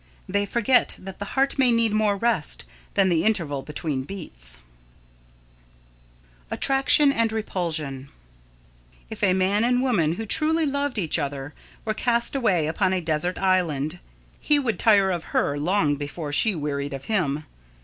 They forget that the heart may need more rest than the interval between beats. [Sidenote: Attraction and Repulsion] If a man and woman who truly loved each other were cast away upon a desert island, he would tire of her long before she wearied of him.